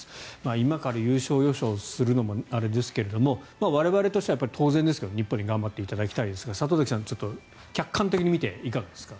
今から優勝予想するのもあれですが我々としては当然ですけれど日本に頑張ってもらいたいですが里崎さん、客観的に見ていかがですか？